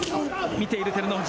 見ている照ノ富士。